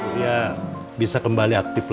dia bisa kembali aktif